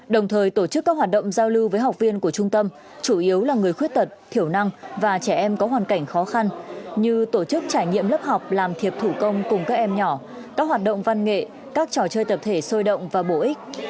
đồng thời tổ chức các hoạt động giao lưu với học viên của trung tâm chủ yếu là người khuyết tật thiểu năng và trẻ em có hoàn cảnh khó khăn như tổ chức trải nghiệm lớp học làm thiệp thủ công cùng các em nhỏ các hoạt động văn nghệ các trò chơi tập thể sôi động và bổ ích